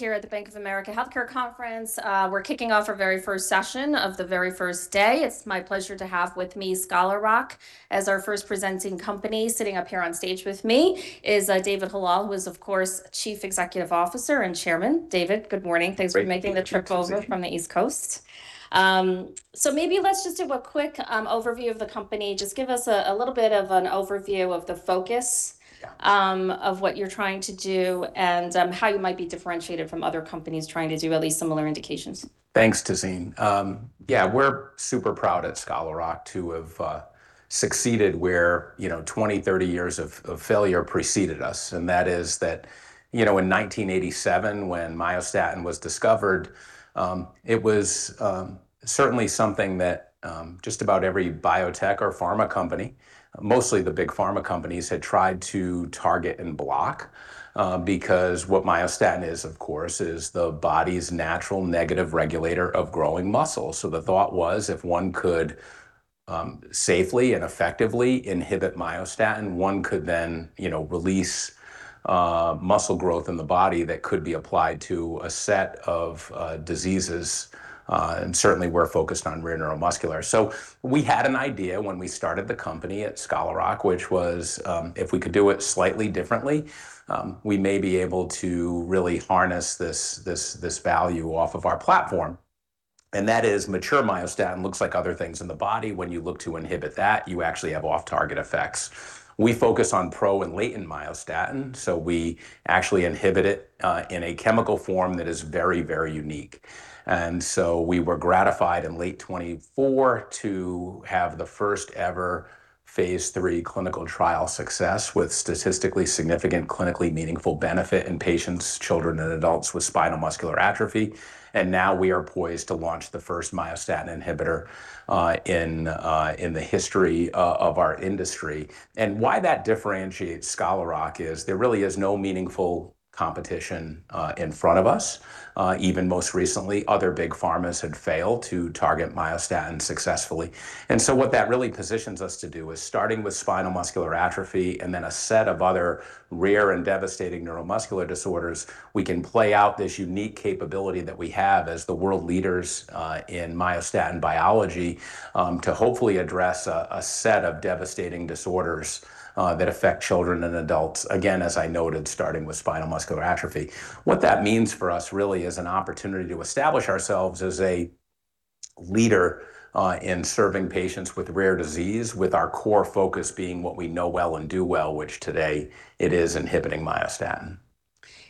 Here at the Bank of America Healthcare Conference, we're kicking off our very first session of the very first day. It's my pleasure to have with me, Scholar Rock as our first presenting company. Sitting up here on stage with me is David Hallal, who is, of course, Chief Executive Officer and Chairman. David, good morning. Great to be with you, Tazeen. Thanks for making the trip over from the East Coast. Maybe let's just do a quick overview of the company. Just give us a little bit of an overview of the focus. Yeah of what you're trying to do, and, how you might be differentiated from other companies trying to do at least similar indications. Thanks Tazeen. Yeah, we're super proud at Scholar Rock to have succeeded where, you know, 20, 30 years of failure preceded us, and that is that, you know, in 1987 when myostatin was discovered, it was certainly something that just about every biotech or pharma company, mostly the big pharma companies, had tried to target and block. What myostatin is, of course, is the body's natural negative regulator of growing muscle. The thought was if one could safely and effectively inhibit myostatin, one could then, you know, release muscle growth in the body that could be applied to a set of diseases. Certainly we're focused on rare neuromuscular. We had an idea when we started the company at Scholar Rock, which was, if we could do it slightly differently, we may be able to really harness this, this value off of our platform. That is mature myostatin looks like other things in the body. When you look to inhibit that, you actually have off-target effects. We focus on pro and latent myostatin, we actually inhibit it in a chemical form that is very, very unique. We were gratified in late 2024 to have the first ever phase III clinical trial success with statistically significant clinically meaningful benefit in patients, children, and adults with spinal muscular atrophy. Now we are poised to launch the first myostatin inhibitor in the history of our industry. Why that differentiates Scholar Rock is there really is no meaningful competition in front of us. Even most recently, other big pharmas had failed to target myostatin successfully. What that really positions us to do is, starting with spinal muscular atrophy and then a set of other rare and devastating neuromuscular disorders, we can play out this unique capability that we have as the world leaders in myostatin biology to hopefully address a set of devastating disorders that affect children and adults, again, as I noted, starting with spinal muscular atrophy. What that means for us really is an opportunity to establish ourselves as a leader in serving patients with rare disease, with our core focus being what we know well and do well, which today it is inhibiting myostatin.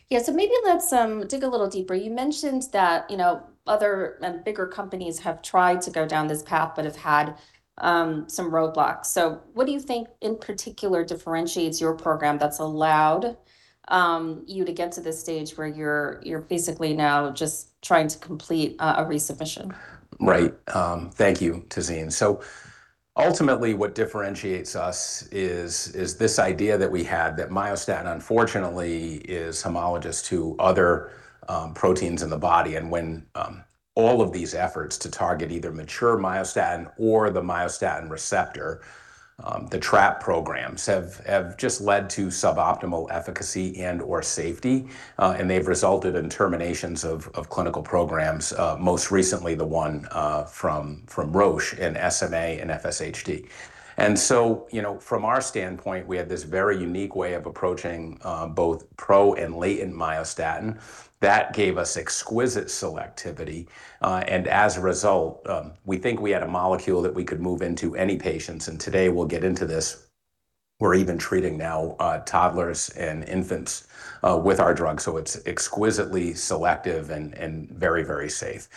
Yeah, maybe let's dig a little deeper. You mentioned that, you know, other and bigger companies have tried to go down this path but have had some roadblocks. What do you think in particular differentiates your program that's allowed you to get to this stage where you're basically now just trying to complete a resubmission? Right. Thank you Tazeen. Ultimately what differentiates us is this idea that we had that myostatin unfortunately is homologous to other proteins in the body. When all of these efforts to target either mature myostatin or the myostatin receptor, the trap programs have just led to suboptimal efficacy and/or safety, and they've resulted in terminations of clinical programs, most recently the one from Roche in SMA and FSHD. From our standpoint, we had this very unique way of approaching both pro and latent myostatin. That gave us exquisite selectivity. As a result, we think we had a molecule that we could move into any patients, and today we'll get into this. We're even treating now toddlers and infants with our drug. It's exquisitely selective and very safe.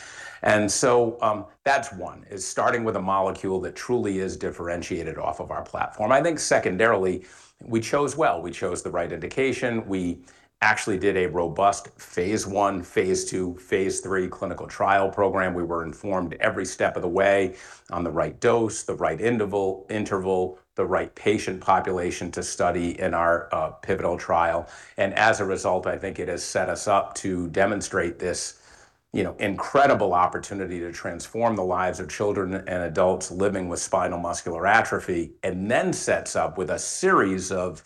That's one, is starting with a molecule that truly is differentiated off of our platform. I think secondarily, we chose well. We chose the right indication. We actually did a robust phase I, phase II, phase III clinical trial program. We were informed every step of the way on the right dose, the right interval, the right patient population to study in our pivotal trial. As a result, I think it has set us up to demonstrate this, you know, incredible opportunity to transform the lives of children and adults living with spinal muscular atrophy, and then sets up with a series of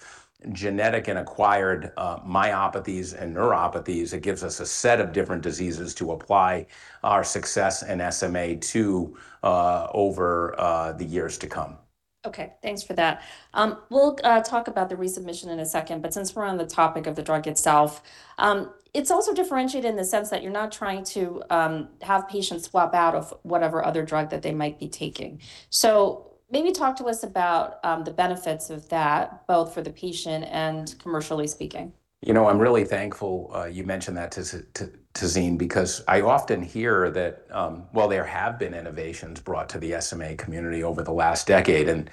genetic and acquired myopathies and neuropathies. It gives us a set of different diseases to apply our success in SMA to over the years to come. Okay. Thanks for that. We'll talk about the resubmission in a second, but since we're on the topic of the drug itself, it's also differentiated in the sense that you're not trying to have patients swap out of whatever other drug that they might be taking. Maybe talk to us about the benefits of that, both for the patient and commercially speaking? You know, I'm really thankful you mentioned that Tazeen because I often hear that, while there have been innovations brought to the SMA community over the last decade, and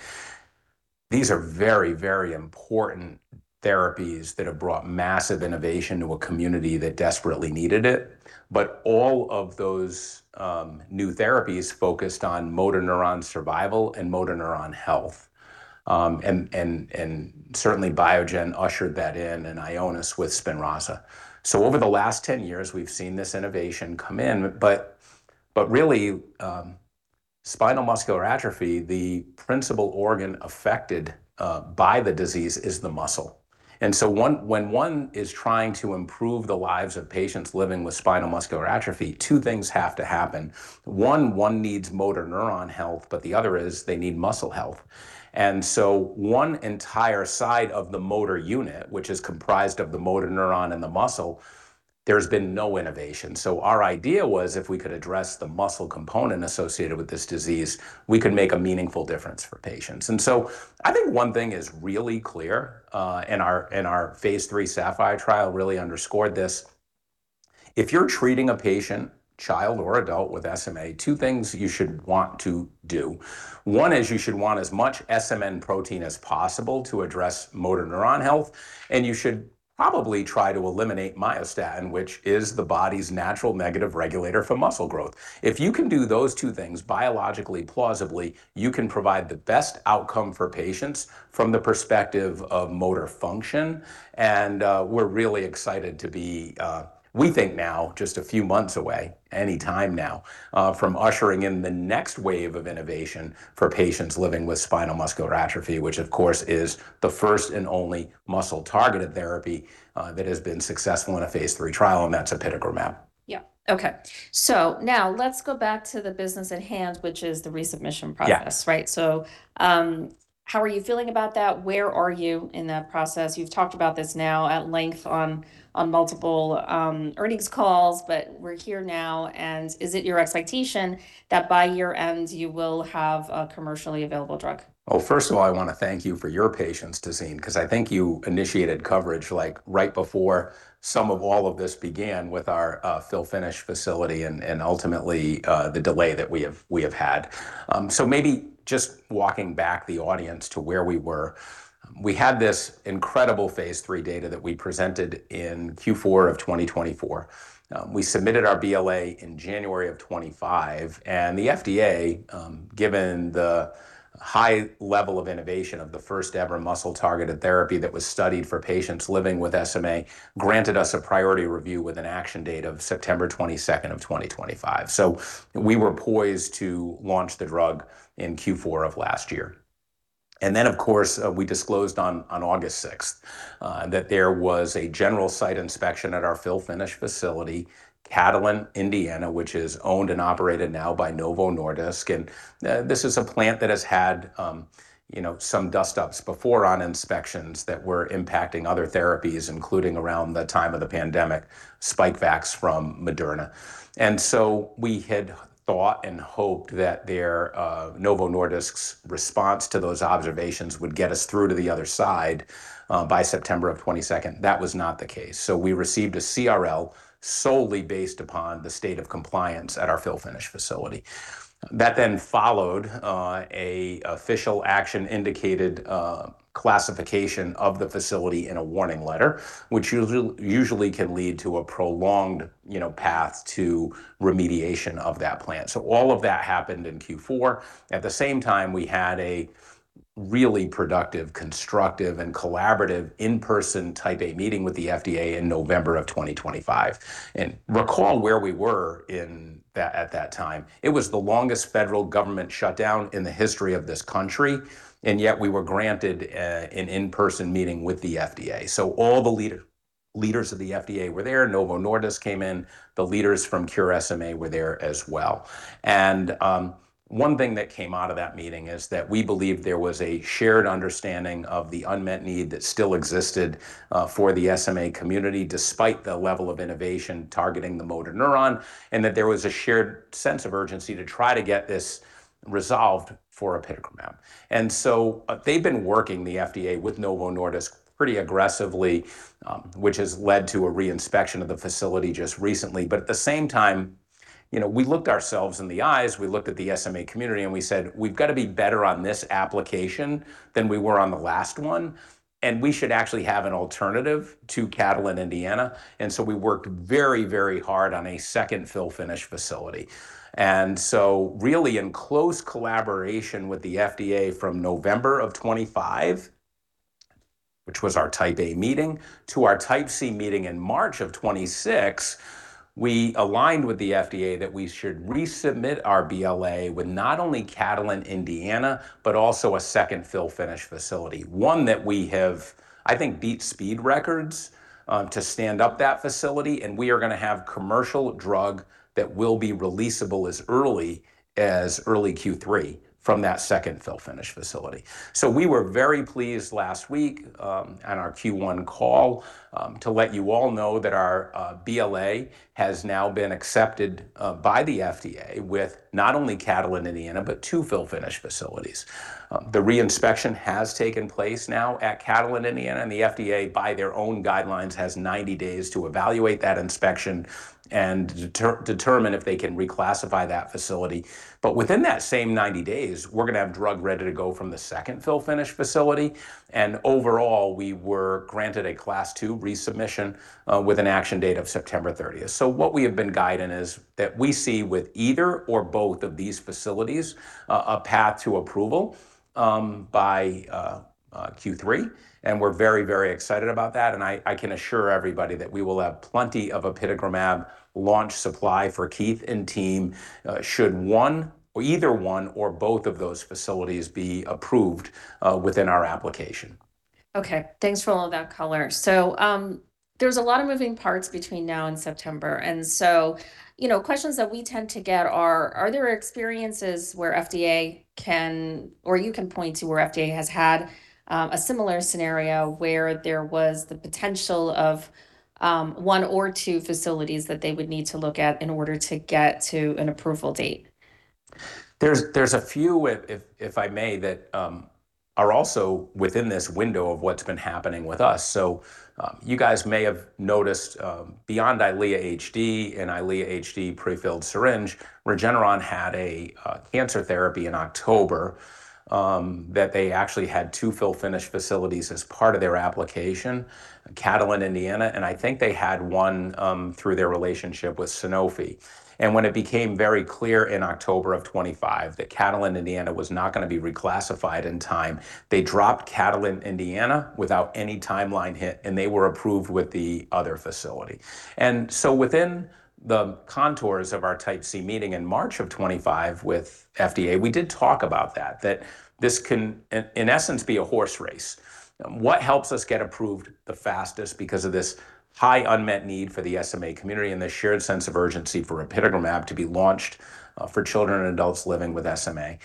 these are very, very important therapies that have brought massive innovation to a community that desperately needed it, all of those new therapies focused on motor neuron survival and motor neuron health. Certainly Biogen ushered that in and Ionis with SPINRAZA. Over the last 10 years we've seen this innovation come in, really, Spinal Muscular Atrophy, the principal organ affected by the disease is the muscle. When one is trying to improve the lives of patients living with Spinal Muscular Atrophy, two things have to happen. One needs motor neuron health, the other is they need muscle health. One entire side of the motor unit, which is comprised of the motor neuron and the muscle, there's been no innovation. Our idea was if we could address the muscle component associated with this disease, we could make a meaningful difference for patients. I think one thing is really clear, and our phase III SAPPHIRE trial really underscored this. If you're treating a patient, child or adult, with SMA, two things you should want to do. One is, you should want as much SMN protein as possible to address motor neuron health, and you should probably try to eliminate myostatin, which is the body's natural negative regulator for muscle growth. If you can do those two things biologically plausibly, you can provide the best outcome for patients from the perspective of motor function. We're really excited to be, we think now just a few months away, any time now, from ushering in the next wave of innovation for patients living with spinal muscular atrophy, which of course is the first and only muscle-targeted therapy, that has been successful in a phase III trial, and that's apitegromab. Yeah. Okay. Now let's go back to the business at hand, which is the resubmission process. Yeah. Right? How are you feeling about that? Where are you in that process? You've talked about this now at length on multiple earnings calls, but we're here now, and is it your expectation that by year-end you will have a commercially available drug? First of all, I want to thank you for your patience Tazeen, 'cause I think you initiated coverage, like, right before some of all of this began with our fill-finish facility and ultimately the delay that we have had. Maybe just walking back the audience to where we were, we had this incredible phase III data that we presented in Q4 of 2024. We submitted our BLA in January of 2025, and the FDA, given the high level of innovation of the first ever muscle-targeted therapy that was studied for patients living with SMA, granted us a priority review with an action date of September 22nd of 2025. We were poised to launch the drug in Q4 of last year. Of course, we disclosed on August sixth that there was a general site inspection at our fill-finish facility, Catalent, Indiana, which is owned and operated now by Novo Nordisk. This is a plant that has had, you know, some dust-ups before on inspections that were impacting other therapies, including around the time of the pandemic, SPIKEVAX from Moderna. We had thought and hoped that their Novo Nordisk's response to those observations would get us through to the other side by September of 2022. That was not the case. We received a CRL solely based upon the state of compliance at our fill-finish facility. That followed an Official Action Indicated classification of the facility in a Warning Letter, which usually can lead to a prolonged, you know, path to remediation of that plant. All of that happened in Q4. At the same time, we had a really productive, constructive, and collaborative in-person Type A meeting with the FDA in November of 2025. Recall where we were at that time. It was the longest federal government shutdown in the history of this country, and yet we were granted an in-person meeting with the FDA. All the leaders of the FDA were there. Novo Nordisk came in. The leaders from Cure SMA were there as well. One thing that came out of that meeting is that we believe there was a shared understanding of the unmet need that still existed for the SMA community, despite the level of innovation targeting the motor neuron, and that there was a shared sense of urgency to try to get this resolved for apitegromab. They've been working, the FDA, with Novo Nordisk pretty aggressively, which has led to a re-inspection of the facility just recently. At the same time, you know, we looked ourselves in the eyes, we looked at the SMA community, and we said, "We've got to be better on this application than we were on the last one, and we should actually have an alternative to Catalent, Indiana." We worked very, very hard on a second fill-finish facility. Really in close collaboration with the FDA from November of 2025, which was our Type A meeting, to our Type C meeting in March of 2026, we aligned with the FDA that we should resubmit our BLA with not only Catalent, Indiana, but also a second fill-finish facility, one that we have, I think, beat speed records to stand up that facility, and we are going to have commercial drug that will be releasable as early as early Q3 from that second fill-finish facility. We were very pleased last week on our Q1 call to let you all know that our BLA has now been accepted by the FDA with not only Catalent, Indiana, but two fill-finish facilities. The re-inspection has taken place now at Catalent, Indiana, the FDA, by their own guidelines, has 90 days to evaluate that inspection and determine if they can reclassify that facility. Within that same 90 days, we're going to have drug ready to go from the second fill-finish facility. Overall, we were granted a Class 2 resubmission, with an action date of September 30th. What we have been guiding is that we see with either or both of these facilities a path to approval, by Q3, we're very excited about that. I can assure everybody that we will have plenty of apitegromab launch supply for Keith and team, should one or both of those facilities be approved, within our application. Okay. Thanks for all of that color. There's a lot of moving parts between now and September. You know, questions that we tend to get are there experiences where FDA can, or you can point to where FDA has had a similar scenario where there was the potential of one or two facilities that they would need to look at in order to get to an approval date? There's a few, if I may, that are also within this window of what's been happening with us. You guys may have noticed beyond Eylea HD and Eylea HD pre-filled syringe, Regeneron had a cancer therapy in October that they actually had two fill-finish facilities as part of their application, Catalent Indiana, and I think they had one through their relationship with Sanofi. When it became very clear in October of 2025 that Catalent Indiana was not gonna be reclassified in time, they dropped Catalent Indiana without any timeline hit, and they were approved with the other facility. Within the contours of our Type C meeting in March of 2025 with FDA, we did talk about that this can, in essence, be a horse race. What helps us get approved the fastest because of this high unmet need for the SMA community and the shared sense of urgency for apitegromab to be launched for children and adults living with SMA?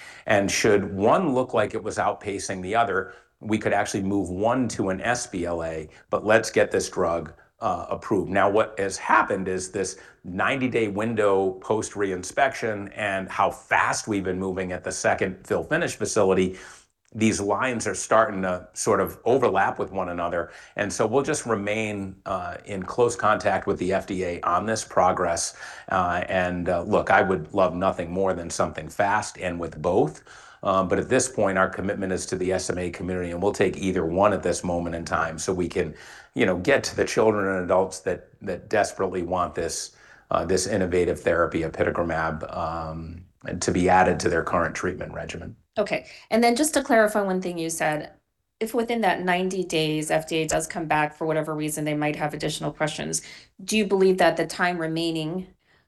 Should one look like it was outpacing the other, we could actually move one to an sBLA, but let's get this drug approved. Now, what has happened is this 90-day window post re-inspection and how fast we've been moving at the second fill-finish facility, these lines are starting to sort of overlap with one another. We'll just remain in close contact with the FDA on this progress. Look, I would love nothing more than something fast and with both. At this point, our commitment is to the SMA community, and we'll take either one at this moment in time so we can, you know, get to the children and adults that desperately want this innovative therapy, apitegromab, to be added to their current treatment regimen. Okay. Just to clarify one thing you said, if within that 90 days FDA does come back for whatever reason, they might have additional questions, do you believe that the time remaining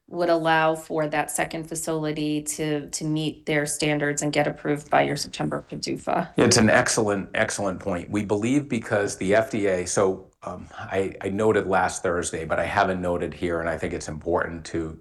would allow for that second facility to meet their standards and get approved by your September PDUFA? It's an excellent point. I noted last Thursday, but I haven't noted here, and I think it's important to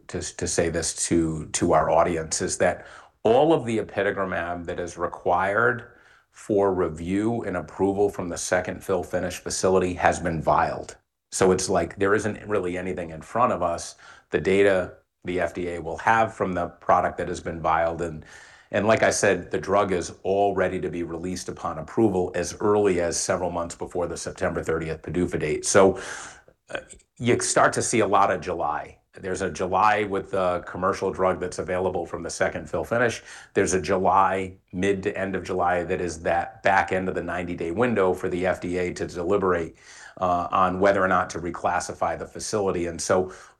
say this to our audience, is that all of the apitegromab that is required for review and approval from the second fill-finish facility has been filed. It's like there isn't really anything in front of us. The data the FDA will have from the product that has been filed, and like I said, the drug is all ready to be released upon approval as early as several months before the September 30th PDUFA date. You start to see a lot of July. There's a July with the commercial drug that's available from the second fill-finish. There's a July, mid to end of July, that is that back end of the 90-day window for the FDA to deliberate on whether or not to reclassify the facility.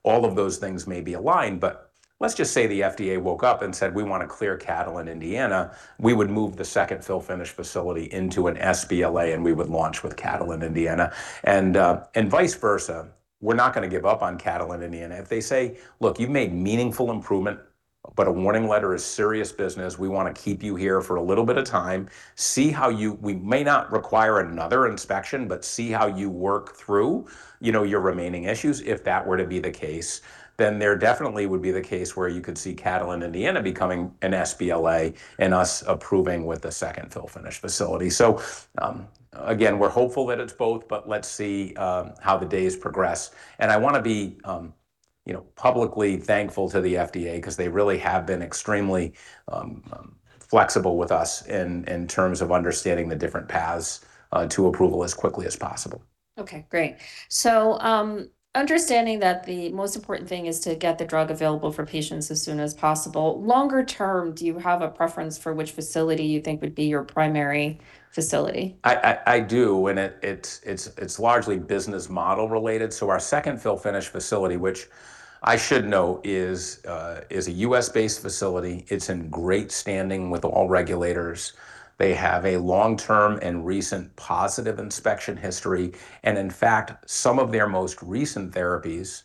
All of those things may be aligned. Let's just say the FDA woke up and said, "We want a clear Catalent Indiana," we would move the second fill-finish facility into an sBLA, and we would launch with Catalent Indiana. Vice versa. We're not gonna give up on Catalent Indiana. If they say, "Look, you've made meaningful improvement, but a Warning Letter is serious business. We wanna keep you here for a little bit of time. We may not require another inspection, but see how you work through, you know, your remaining issues," if that were to be the case, then there definitely would be the case where you could see Catalent, Indiana becoming an sBLA and us approving with the second fill-finish facility. Again, we're hopeful that it's both, let's see how the days progress. I wanna be, you know, publicly thankful to the FDA 'cause they really have been extremely flexible with us in terms of understanding the different paths to approval as quickly as possible. Okay. Great. Understanding that the most important thing is to get the drug available for patients as soon as possible, longer term, do you have a preference for which facility you think would be your primary facility? I do, it's largely business model related. Our second fill-finish facility, which I should note is a U.S.-based facility, it's in great standing with all regulators. They have a long-term and recent positive inspection history, in fact, some of their most recent therapies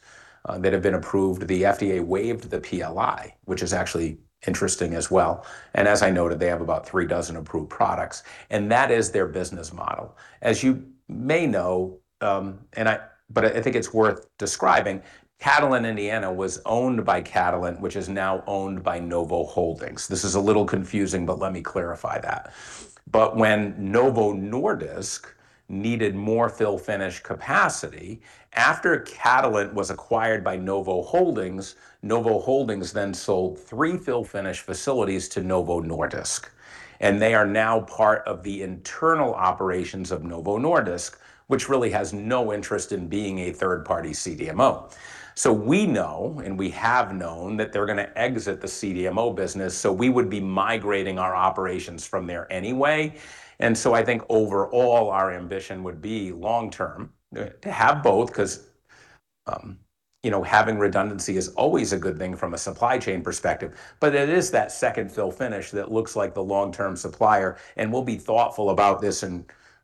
that have been approved, the FDA waived the PLI, which is actually interesting as well. As I noted, they have about three dozen approved products. That is their business model. As you may know, I think it's worth describing, Catalent Indiana was owned by Catalent, which is now owned by Novo Holdings. This is a little confusing, let me clarify that. When Novo Nordisk needed more fill-finish capacity, after Catalent was acquired by Novo Holdings, Novo Holdings then sold three fill-finish facilities to Novo Nordisk, and they are now part of the internal operations of Novo Nordisk, which really has no interest in being a third-party CDMO. We know, and we have known, that they're gonna exit the CDMO business, so we would be migrating our operations from there anyway. I think overall our ambition would be long-term to have both 'cause, you know, having redundancy is always a good thing from a supply chain perspective. It is that second fill-finish that looks like the long-term supplier, and we'll be thoughtful about this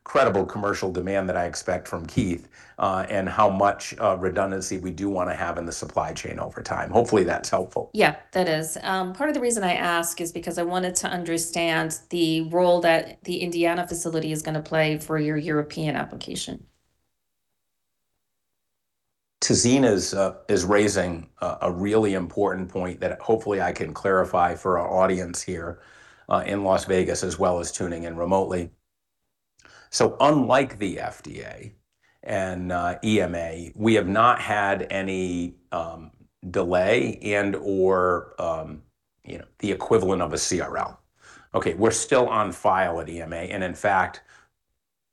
incredible commercial demand that I expect from Keith, and how much redundancy we do wanna have in the supply chain over time. Hopefully, that's helpful. Yeah, that is. Part of the reason I ask is because I wanted to understand the role that the Indiana facility is gonna play for your European application. Tazeen is raising a really important point that hopefully I can clarify for our audience here in Las Vegas as well as tuning in remotely. Unlike the FDA and EMA, we have not had any delay and/or, you know, the equivalent of a CRL. Okay, we're still on file at EMA, and in fact,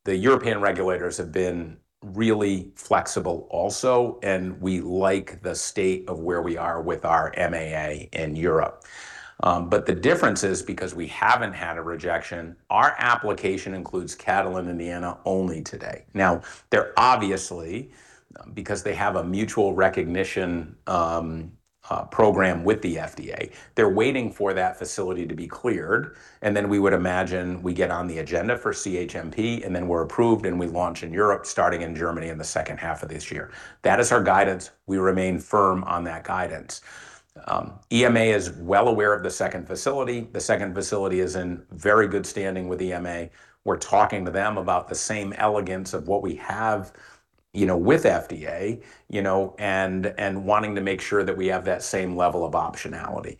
the European regulators have been really flexible also, and we like the state of where we are with our MAA in Europe. The difference is because we haven't had a rejection, our application includes Catalent, Indiana only today. Now, they're obviously, because they have a mutual recognition program with the FDA, they're waiting for that facility to be cleared, and then we would imagine we get on the agenda for CHMP, and then we're approved, and we launch in Europe starting in Germany in the second half of this year. That is our guidance. We remain firm on that guidance. EMA is well aware of the second facility. The second facility is in very good standing with EMA. We're talking to them about the same elegance of what we have, you know, with FDA, you know, and wanting to make sure that we have that same level of optionality.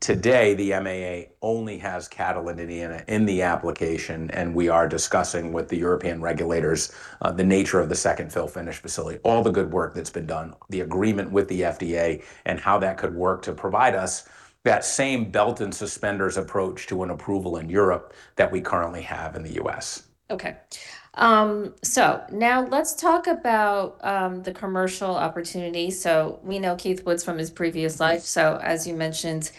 Today, the EMA only has Catalent, Indiana in the application, and we are discussing with the European regulators, the nature of the second fill-finish facility, all the good work that's been done, the agreement with the FDA, and how that could work to provide us that same belt and suspenders approach to an approval in Europe that we currently have in the U.S. Okay. Now let's talk about the commercial opportunity. We know Keith Woods from his previous life. As you mentioned,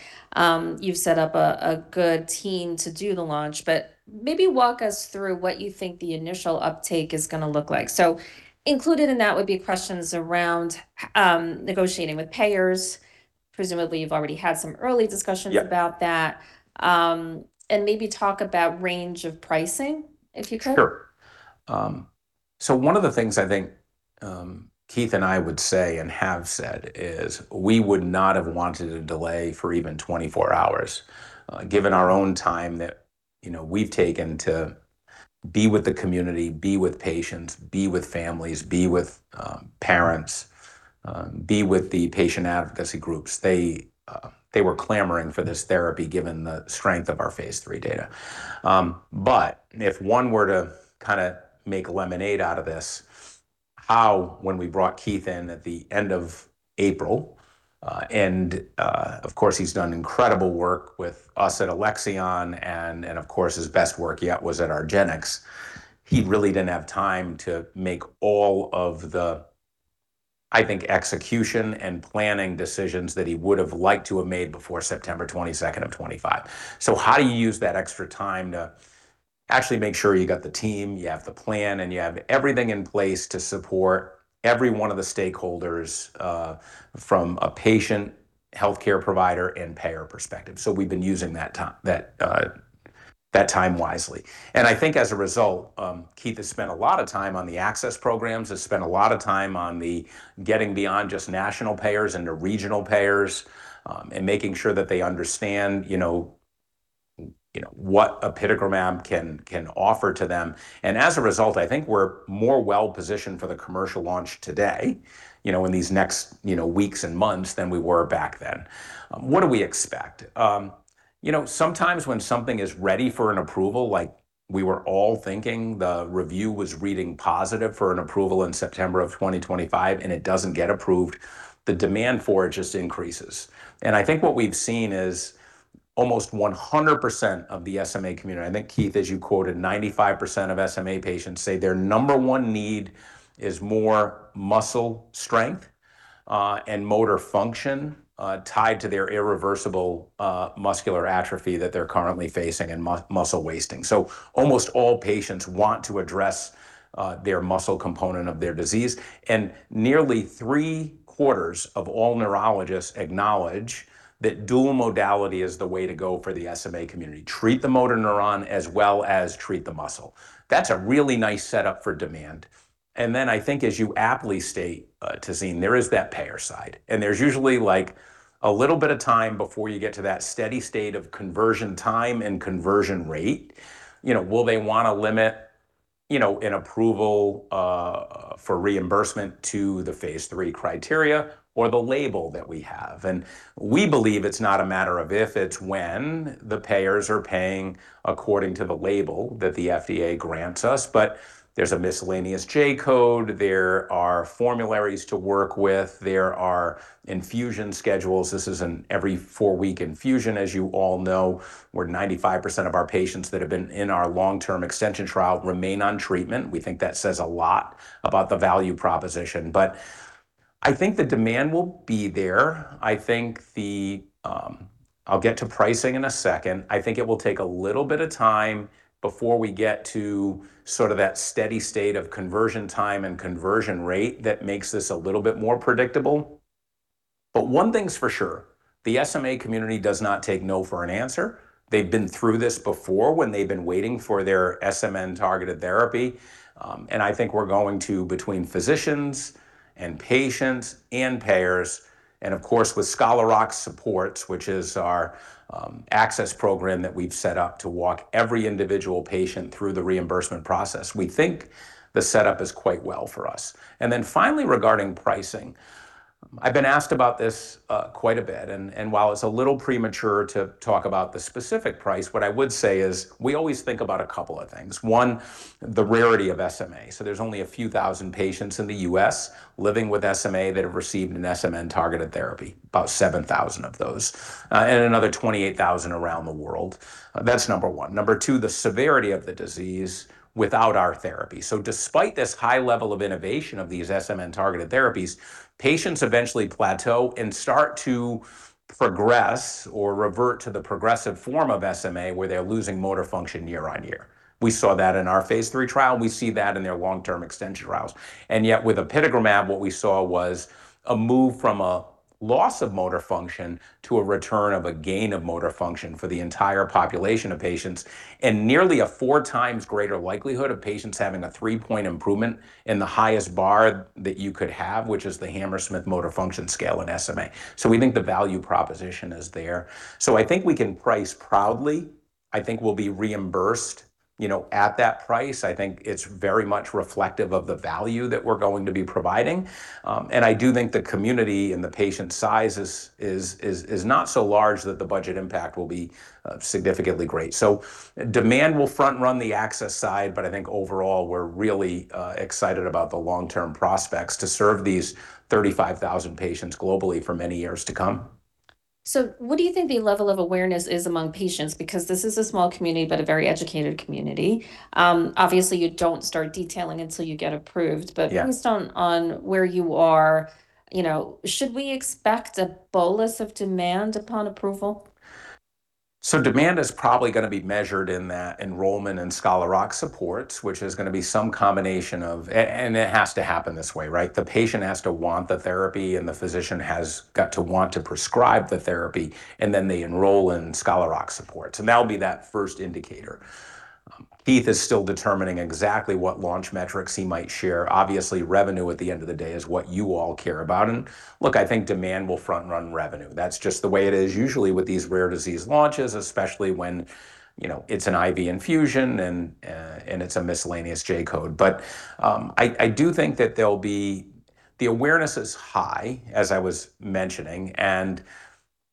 you've set up a good team to do the launch, but maybe walk us through what you think the initial uptake is going to look like. Included in that would be questions around negotiating with payers. Presumably, you've already had some early discussions. Yep about that. Maybe talk about range of pricing, if you could. Sure. One of the things I think Keith and I would say and have said is we would not have wanted a delay for even 24 hours. Given our own time that, you know, we've taken to be with the community, be with patients, be with families, be with parents, be with the patient advocacy groups. They, they were clamoring for this therapy given the strength of our phase III data. If one were to kind of make lemonade out of this, how when we brought Keith in at the end of April, and, of course, he's done incredible work with us at Alexion and, of course, his best work yet was at argenx. He really didn't have time to make all of the, I think, execution and planning decisions that he would have liked to have made before September 22nd of 2025. How do you use that extra time to actually make sure you got the team, you have the plan, and you have everything in place to support every oneof the stakeholders, from a patient, healthcare provider, and payer perspective. We've been using that time wisely. I think as a result, Keith has spent a lot of time on the access programs, has spent a lot of time on the getting beyond just national payers into regional payers, and making sure that they understand, you know, you know, what apitegromab can offer to them. As a result, I think we're more well-positioned for the commercial launch today, you know, in these next, you know, weeks and months than we were back then. What do we expect? You know, sometimes when something is ready for an approval, like we were all thinking the review was reading positive for an approval in September of 2025 and it doesn't get approved, the demand for it just increases. I think what we've seen is almost 100% of the SMA community, I think Keith, as you quoted, 95% of SMA patients say their number one need is more muscle strength, and motor function, tied to their irreversible, muscular atrophy that they're currently facing and muscle wasting. Almost all patients want to address their muscle component of their disease. Nearly 3/4 of all neurologists acknowledge that dual modality is the way to go for the SMA community. Treat the motor neuron as well as treat the muscle. That's a really nice setup for demand. I think as you aptly state, Tazeen, there is that payer side. There's usually like a little bit of time before you get to that steady state of conversion time and conversion rate. You know, will they want to limit, you know, an approval for reimbursement to the phase III criteria or the label that we have? We believe it's not a matter of if, it's when the payers are paying according to the label that the FDA grants us. There's a miscellaneous J code. There are formularies to work with. There are infusion schedules. This is an every 4-week infusion, as you all know, where 95% of our patients that have been in our long-term extension trial remain on treatment. We think that says a lot about the value proposition. I think the demand will be there. I think the, I'll get to pricing in a second. I think it will take a little bit of time before we get to sort of that steady state of conversion time and conversion rate that makes this a little bit more predictable. One thing's for sure, the SMA community does not take no for an answer. They've been through this before when they've been waiting for their SMN-targeted therapy. I think we're going to between physicians and patients and payers, and of course, with Scholar Rock Supports, which is our access program that we've set up to walk every individual patient through the reimbursement process. We think the setup is quite well for us. Finally, regarding pricing. I've been asked about this quite a bit, and while it's a little premature to talk about the specific price, what I would say is we always think about a couple of things. One, the rarity of SMA. There's only a few thousand patients in the U.S. living with SMA that have received an SMN targeted therapy, about 7,000 of those, and another 28,000 around the world. That's number one. Number two, the severity of the disease without our therapy. Despite this high level of innovation of these SMN targeted therapies, patients eventually plateau and start to progress or revert to the progressive form of SMA, where they're losing motor function year on year. We saw that in our phase III trial. We see that in their long-term extension trials. Yet with apitegromab, what we saw was a move from a loss of motor function to a return of a gain of motor function for the entire population of patients, and nearly a 4x greater likelihood of patients having a 3-point improvement in the highest bar that you could have, which is the Hammersmith Functional Motor Scale in SMA. We think the value proposition is there. I think we can price proudly. I think we'll be reimbursed, you know, at that price. I think it's very much reflective of the value that we're going to be providing. I do think the community and the patient size is not so large that the budget impact will be significantly great. Demand will front run the access side, but I think overall we're really excited about the long-term prospects to serve these 35,000 patients globally for many years to come. What do you think the level of awareness is among patients? This is a small community, but a very educated community. Obviously you don't start detailing until you get approved. Yeah. Based on where you are, you know, should we expect a bolus of demand upon approval? Demand is probably going to be measured in that enrollment in Scholar Rock Supports, which is going to be some combination of and it has to happen this way, right? The patient has to want the therapy, and the physician has got to want to prescribe the therapy, and then they enroll in Scholar Rock Supports, and that will be that first indicator. Keith is still determining exactly what launch metrics he might share. Obviously, revenue at the end of the day is what you all care about. Look, I think demand will front run revenue. That is just the way it is usually with these rare disease launches, especially when, you know, it is an IV infusion and it is a miscellaneous J code. I do think that The awareness is high, as I was mentioning, and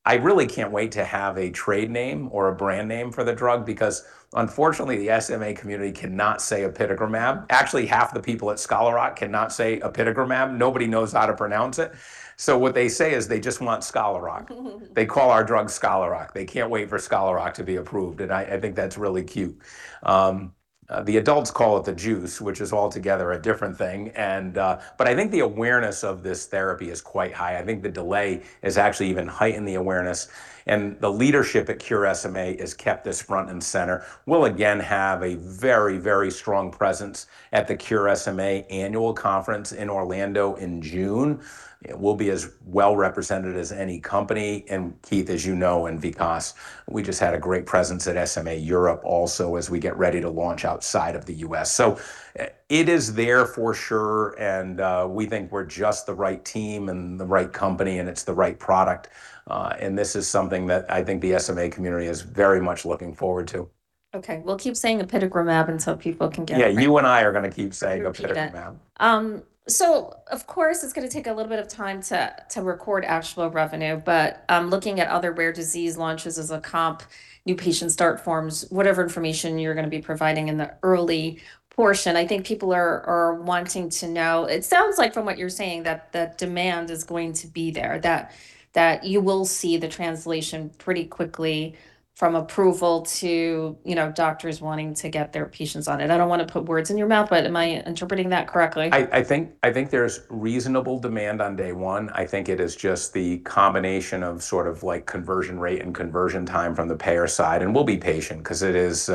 I really can't wait to have a trade name or a brand name for the drug because unfortunately, the SMA community cannot say apitegromab. Actually, half the people at Scholar Rock cannot say apitegromab. Nobody knows how to pronounce it. What they say is they just want Scholar Rock. They call our drug Scholar Rock. They can't wait for Scholar Rock to be approved, and I think that's really cute. The adults call it the juice, which is altogether a different thing. I think the awareness of this therapy is quite high. I think the delay has actually even heightened the awareness, and the leadership at Cure SMA has kept us front and center. We'll again have a very, very strong presence at the Cure SMA annual conference in Orlando in June. We'll be as well represented as any company, and Keith, as you know, and Vikas, we just had a great presence at SMA Europe also as we get ready to launch outside of the U.S. It is there for sure, we think we're just the right team and the right company and it's the right product. This is something that I think the SMA community is very much looking forward to. Okay. We'll keep saying apitegromab until people can get it right. Yeah, you and I are gonna keep saying apitegromab. Repeat it. Of course it's gonna take a little bit of time to record actual revenue, but looking at other rare disease launches as a comp, new patient start forms, whatever information you're gonna be providing in the early portion, I think people are wanting to know. It sounds like from what you're saying that the demand is going to be there, that you will see the translation pretty quickly from approval to, you know, doctors wanting to get their patients on it. I don't wanna put words in your mouth, but am I interpreting that correctly? I think there's reasonable demand on day one. I think it is just the combination of sort of like conversion rate and conversion time from the payer side, and we'll be patient 'cause it is,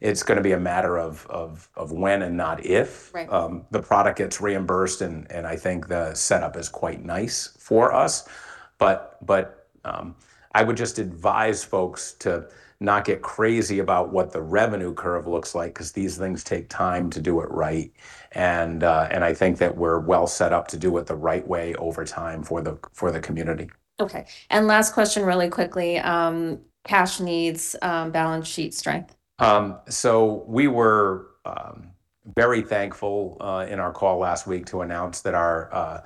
it's gonna be a matter of when and not if. Right The product gets reimbursed and I think the setup is quite nice for us. But I would just advise folks to not get crazy about what the revenue curve looks like 'cause these things take time to do it right. I think that we're well set up to do it the right way over time for the, for the community. Okay. Last question really quickly. Cash needs balance sheet strength. We were very thankful in our call last week to announce that our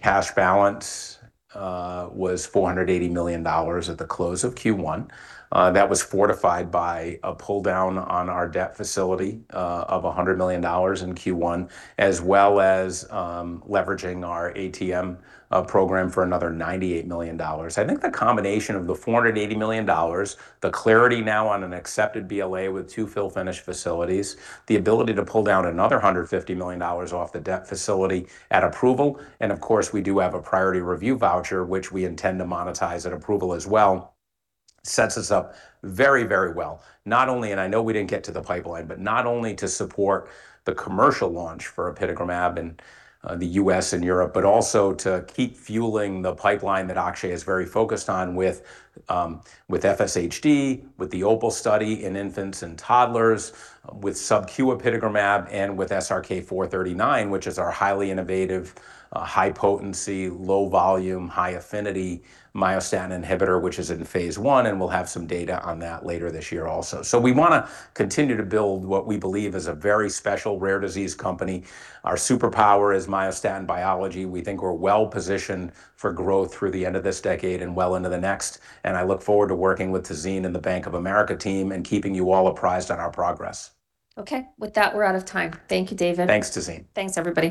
cash balance was $480 million at the close of Q1. That was fortified by a pull down on our debt facility of $100 million in Q1, as well as leveraging our ATM program for another $98 million. I think the combination of the $480 million, the clarity now on an accepted BLA with two fill-finish facilities, the ability to pull down another $150 million off the debt facility at approval, and of course we do have a priority review voucher, which we intend to monetize at approval as well. Sets us up very, very well. I know we didn't get to the pipeline, not only to support the commercial launch for apitegromab in the U.S. and Europe, but also to keep fueling the pipeline that Akshay is very focused on with FSHD, with the OPAL study in infants and toddlers, with SubQ apitegromab, and with SRK-439, which is our highly innovative, high potency, low volume, high affinity myostatin inhibitor, which is in phase I, and we'll have some data on that later this year also. We wanna continue to build what we believe is a very special rare disease company. Our superpower is myostatin biology. We think we're well-positioned for growth through the end of this decade and well into the next, and I look forward to working with Tazeen and the Bank of America team and keeping you all apprised on our progress. Okay. With that, we're out of time. Thank you David. Thanks Tazeen. Thanks everybody.